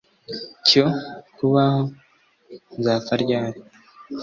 cyo kubaho! nzapfa ryari